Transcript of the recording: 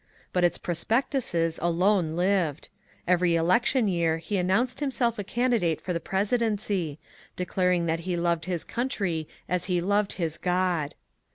But its prospectuses alone lived. Every election year he announced himself a candidate for the presi dency, declaring that he loved his country as he loved his God.